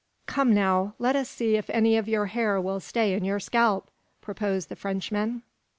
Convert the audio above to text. "Come, now! Let us see if any of your hair will stay in your scalp?" proposed the Frenchman.